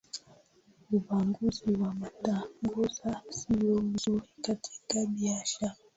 ubaguzi wa matangazo siyo mzuri katika biashara